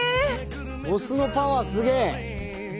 お酢のパワーすげえ！